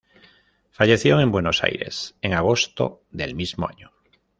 Falleció en Buenos Aires en agosto del mismo año.